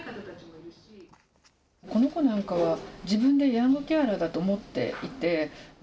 この子なんかは自分でヤングケアラーだと思っていて。